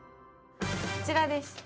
こちらです。